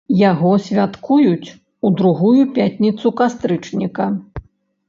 Яго святкуюць у другую пятніцу кастрычніка.